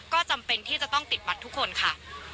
ก็จำเป็นที่จะต้องติดบัตรทุกคนค่ะ